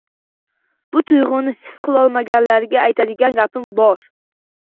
Bu tuyg‘uni his qilolmaganlarga aytadigan gaping bormi?